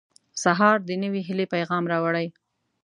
• سهار د نوې هیلې پیغام راوړي.